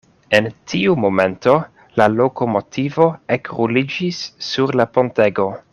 En tiu momento la lokomotivo ekruliĝis sur la pontego.